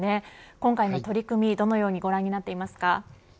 今回の取り組み、どのようにご覧になっていますか。